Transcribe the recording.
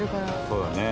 そうだね。